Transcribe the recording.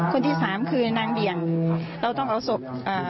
คนที่สามคือนางเหนียงเราต้องเอาสบ